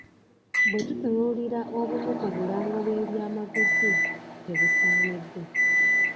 "Bwe tutunuulira obumu ku bulango bw'ebyamaguzi, tebusaanidde."